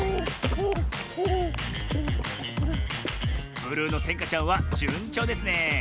ブルーのせんかちゃんはじゅんちょうですね！